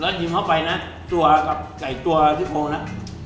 แล้วยิงเข้าไปนะตัวกับไก่ตัวที่โพลนะ